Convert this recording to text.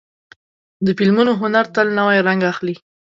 د فلمونو هنر تل نوی رنګ اخلي.